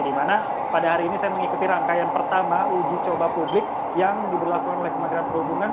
di mana pada hari ini saya mengikuti rangkaian pertama uji coba publik yang diberlakukan oleh kementerian perhubungan